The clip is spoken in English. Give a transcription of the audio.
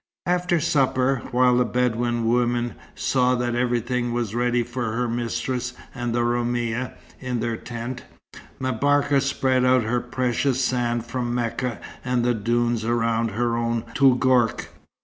After supper, while the Bedouin woman saw that everything was ready for her mistress and the Roumia, in their tent, M'Barka spread out her precious sand from Mecca and the dunes round her own Touggourt.